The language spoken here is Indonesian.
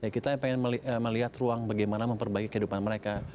kita ingin melihat ruang bagaimana memperbaiki kehidupan mereka